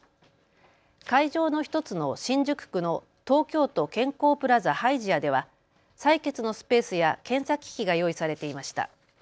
会場の１つの新宿区の東京都健康プラザハイジアでは採血のスペースや検査機器が用意されていました。